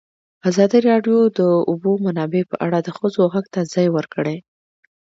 ازادي راډیو د د اوبو منابع په اړه د ښځو غږ ته ځای ورکړی.